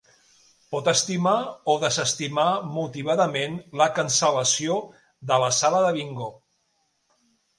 Pot estimar o desestimar, motivadament, la cancel·lació de la sala de bingo.